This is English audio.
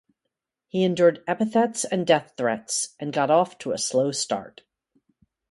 He endured epithets and death threats and got off to a slow start.